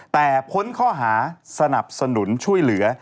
แต่พ้นข้อหาสนับสนุนช่วยเหลือ